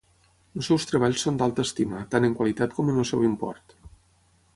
Els seus treballs són d'alta estima, tant en qualitat com en el seu import.